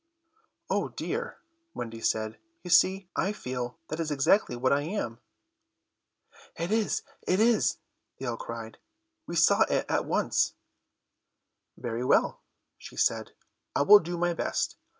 "Oh dear!" Wendy said, "you see, I feel that is exactly what I am." "It is, it is," they all cried; "we saw it at once." "Very well," she said, "I will do my best.